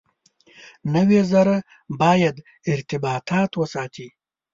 نوي زره باید ارتباطات وساتي.